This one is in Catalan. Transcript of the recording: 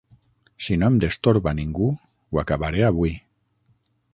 Si no em destorba ningú, ho acabaré avui.